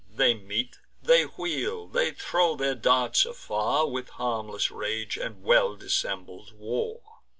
They meet; they wheel; they throw their darts afar With harmless rage and well dissembled war.